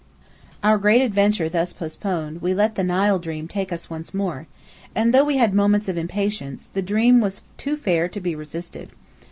Our great adventure thus postponed, we let the Nile dream take us once more; and though we had moments of impatience, the dream was too fair to be resisted.